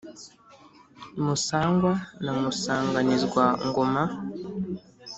musangwa na musanganizwa-ngoma,